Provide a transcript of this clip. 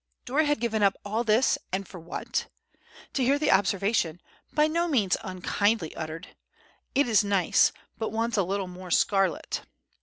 Dora had given up all this, and for what? To hear the observation, by no means unkindly uttered, "It is nice, but wants a little more scarlet."